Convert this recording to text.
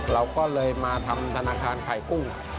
เราก็เลยมาทำธนาคารไข่กุ้ง